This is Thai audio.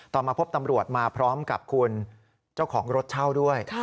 มาพบตำรวจมาพร้อมกับคุณเจ้าของรถเช่าด้วย